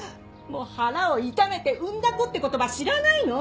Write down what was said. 「腹を痛めて産んだ子」って言葉知らないの！？